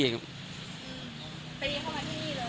ตีเข้าที่นี่หรือ